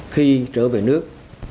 khi trở về nước